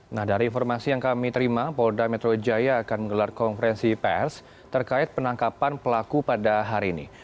nah dari informasi yang kami terima polda metro jaya akan menggelar konferensi pers terkait penangkapan pelaku pada hari ini